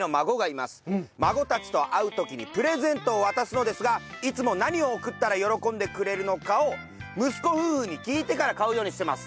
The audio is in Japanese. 孫たちと会う時にプレゼントを渡すのですがいつも何を送ったら喜んでくれるのかを息子夫婦に聞いてから買うようにしてます。